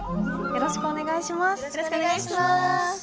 よろしくお願いします。